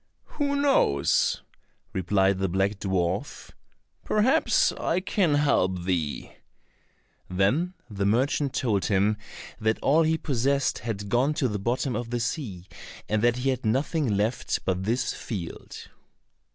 "Who knows?" replied the black dwarf. "Perhaps, I can help thee." Then the merchant told him that all he possessed had gone to the bottom of the sea, and that he had nothing left but this field.